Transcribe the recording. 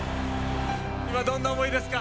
今、どんな思いですか？